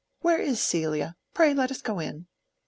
Where is Celia? Pray let us go in."